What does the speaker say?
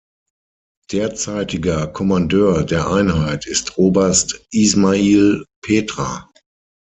Derzeitiger Kommandeur der Einheit ist Oberst Ismail Petra.